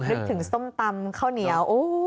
นึกถึงส้มตำข้าวเหนียว